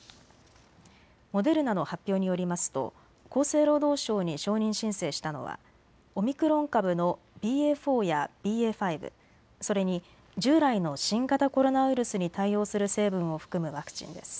モデルナの発表によりますと厚生労働省に承認申請したのはオミクロン株のＢＡ．４やＢＡ．５、それに従来の新型コロナウイルスに対応する成分を含むワクチンです。